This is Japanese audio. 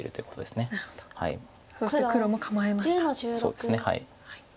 そうですね。